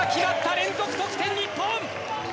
連続得点、日本！